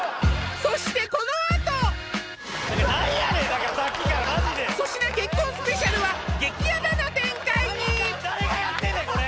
そしてこのあと粗品結婚スペシャルは